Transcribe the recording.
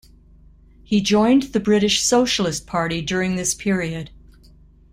He joined the British Socialist Party during this period.